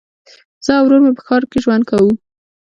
زه او ورور مي په ښار کي ژوند کوو.